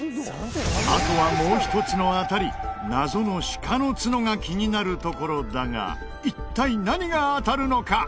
あとはもう一つの当たり謎の鹿のツノが気になるところだが一体何が当たるのか？